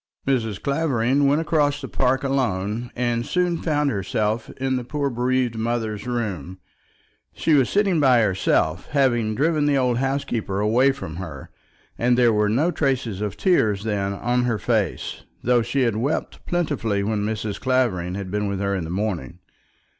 Mrs. Clavering went across the park alone, and soon found herself in the poor bereaved mother's room. She was sitting by herself, having driven the old housekeeper away from her; and there were no traces of tears then on her face, though she had wept plentifully when Mrs. Clavering had been with her in the morning.